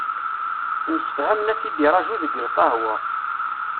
Msefhamen ad t-id-iraju deg lqahwa.